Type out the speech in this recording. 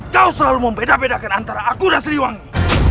kau selalu membedakan antara aku dan sriwangi